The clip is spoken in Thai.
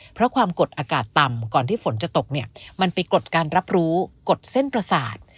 เพราะความกดอากาศต่ำก่อนที่ฝนจะตกเนี่ยมันไปกดการรับรู้กดเส้นประสาท